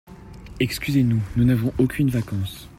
Excusez-nous, nous n'avons aucunes vacances